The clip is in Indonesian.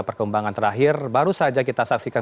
perkembangan terakhir baru saja kita saksikan